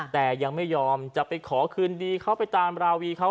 แต่ยังไม่ยอมจะไปขอคืนดีเขาไปตามราวีเขา